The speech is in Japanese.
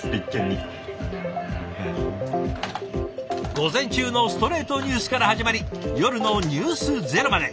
午前中の「ストレイトニュース」から始まり夜の「ｎｅｗｓｚｅｒｏ」まで。